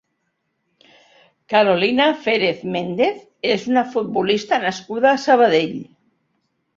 Carolina Férez Méndez és una futbolista nascuda a Sabadell.